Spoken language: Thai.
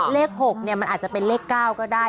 เลข๖มันอาจจะเป็นเลข๙ก็ได้